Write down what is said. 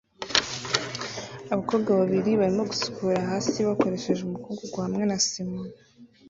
Abakobwa babiri barimo gusukura hasi bakoresheje umukungugu hamwe na sima